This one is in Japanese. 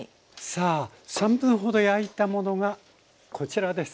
さあ３分ほど焼いたものがこちらです。